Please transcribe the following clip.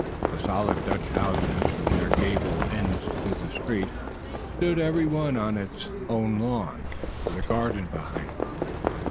The solid Dutch houses, with their gable ends to the street, stood every one on its own lawn, with a garden behind it.